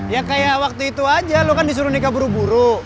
ya kayak waktu itu aja lo kan disuruh nikah buru buru